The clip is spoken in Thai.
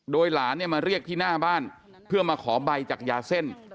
โดยหลานเนี่ยมาเรียกที่หน้าบ้านเพื่อมาขอใบจากยาเส้น